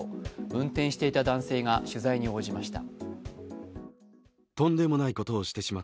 運転していた男性が取材に応じました。